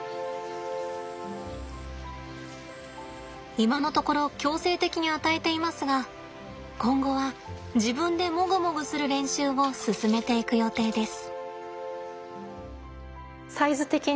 今のところ強制的に与えていますが今後は自分でモグモグする練習を進めていく予定です。